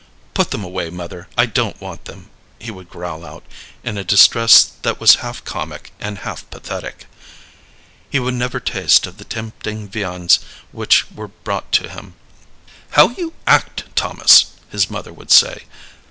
"Put them away, mother; I don't want them," he would growl out, in a distress that was half comic and half pathetic. He would never taste of the tempting viands which were brought to him. "How you act, Thomas!" his mother would say.